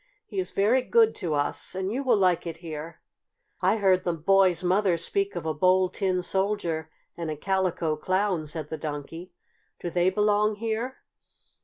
He is very good to us, and you will like it here." "I heard the boy's mother speak of a Bold Tin Soldier and a Calico Clown," said the Donkey. "Do they belong here?"